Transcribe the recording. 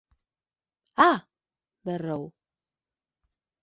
Ah! −berrou−.